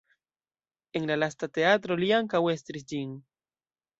En la lasta teatro li ankaŭ estris ĝin.